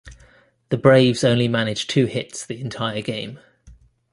The Braves only managed two hits the entire game.